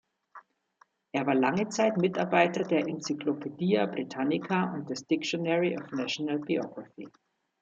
Er war lange Zeit Mitarbeiter der Encyclopædia Britannica und des Dictionary of National Biography.